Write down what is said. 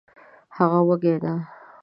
هغه وږې ده